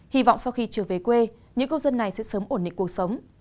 hy vọng sau khi trở về quê những công dân này sẽ sớm ổn định cuộc sống